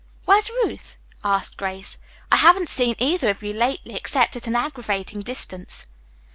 "Where's Ruth?" asked Grace. "I haven't seen either of you lately except at an aggravating distance."